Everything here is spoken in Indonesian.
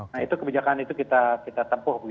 nah itu kebijakan itu kita tempuh